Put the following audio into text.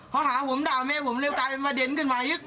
พอหาผมด่าแม่ผมเลยกลายเป็นประเด็นขึ้นมา